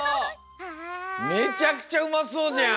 めちゃくちゃうまそうじゃん！